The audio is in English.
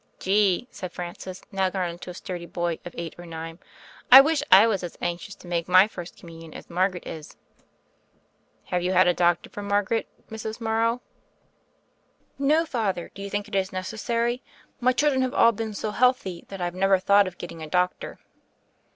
"Gee," said Francis, now grown into a sturdy boy of eight or nine, "I wish I was as anxious to make my First Communion as Margaret is." "Have you had a doctor for Margaret, Mrs. Morrow ?" "No, Father: do you think it necessary? My children have all been so healthy that I've never thought of getting a doctor."